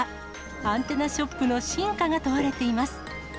アンテナショップの真価が問われています。